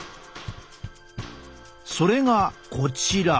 それがこちら。